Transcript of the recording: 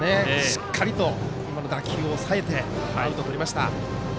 しっかりと今の打球を抑えてアウトをとりました。